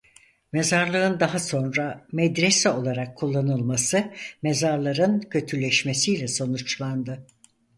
Mezarlığın daha sonra medrese olarak kullanılması mezarların kötüleşmesiyle sonuçlandı.